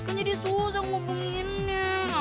kan jadi susah ngomonginnya